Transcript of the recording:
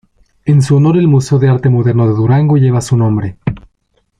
En su honor el Museo de Arte Moderno de Durango lleva su nombre.